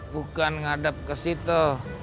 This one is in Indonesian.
bukan ngadep ke situ